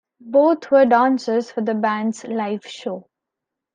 Both were dancers for the band's live show.